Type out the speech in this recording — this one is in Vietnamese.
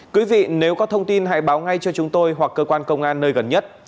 quý vị nếu có thông tin hãy báo ngay cho chúng tôi hoặc cơ quan công an nơi gần nhất